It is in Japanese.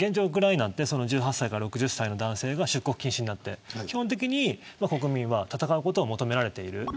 ウクライナは１８歳から６０歳の男性が出国禁止になって基本的に国民は戦うことを求められている。